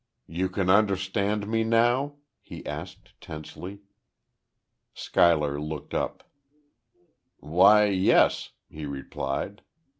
"You can understand me now?" he asked, tensely. Schuyler looked up. "Why, yes," he replied.